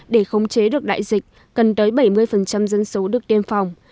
để khống chế được đại dịch cần tới bảy mươi dân số được tiêm phòng